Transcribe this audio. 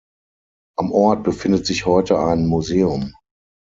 Am Ort befindet sich heute ein Museum.